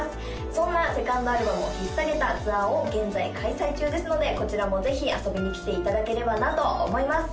そんな２ｎｄアルバムをひっさげたツアーを現在開催中ですのでこちらもぜひ遊びに来ていただければなと思います